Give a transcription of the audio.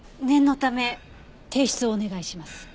念のため提出をお願いします。